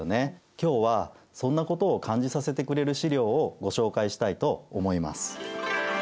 今日はそんなことを感じさせてくれる資料をご紹介したいと思います。